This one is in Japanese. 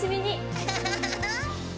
ハハハハ！